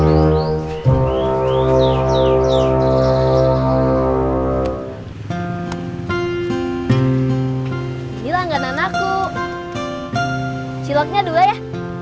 gila gak nanaku ciloknya dua ya